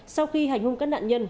sau khi hành hung các nạn nhân